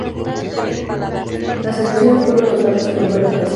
Las elecciones fueron notables por varias razones.